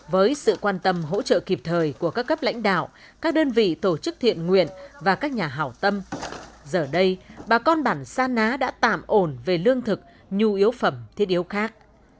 với sự quan tâm hỗ trợ kịp thời của các cấp lãnh đạo các đơn vị tổ chức thiện nguyện và các nhà hảo tâm giờ đây bà con bản sa ná đã tạm ổn về lương thực nhu yếu phẩm thiết yếu khác